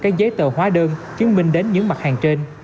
các giấy tờ hóa đơn chứng minh đến những mặt hàng trên